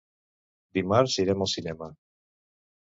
Dimarts irem al cinema.